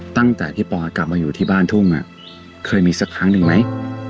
ตั้งแต่ที่ปอกลับมาอยู่ที่บ้านทุ่งเคยมีสักครั้งหนึ่งไหม